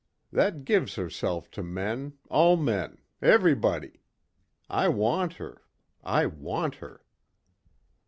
That gives herself to men all men, everybody. I want her. I want her."